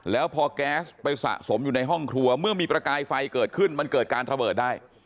แล้วพอแก๊สไปสะสมอยู่ในห้องครัวเมื่อมีประกายไฟเกิดขึ้นมันเกิดการระเบิดได้